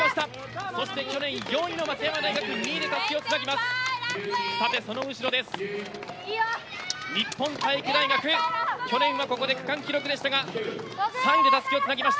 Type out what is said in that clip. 去年４位の松山大学２位で、たすきをつなぎます。